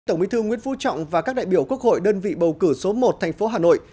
tổng bí thư nguyễn phú trọng và các đại biểu quốc hội đơn vị bầu cử số một thành phố hà nội